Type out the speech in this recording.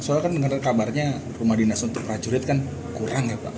soalnya kan kabarnya rumah dinas untuk prajurit kan kurang ya pak